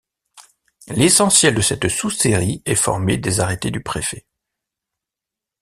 L'essentiel de cette sous-série est formée des arrêtés du préfet.